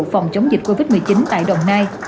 phòng chống dịch covid một mươi chín tại đồng nai